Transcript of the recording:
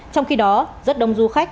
trong khi đó rất đông du khách